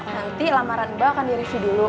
nanti lamaran mbak akan direview dulu